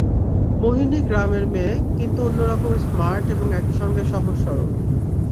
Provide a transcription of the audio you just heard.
মোহিনী গ্রামের মেয়ে, কিন্তু অন্য রকম স্মার্ট এবং একই সঙ্গে সহজ-সরল।